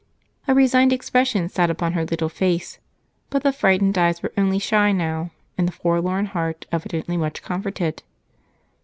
A resigned expression sat upon her little face, but the frightened eyes were only shy now, and the forlorn heart evidently much comforted.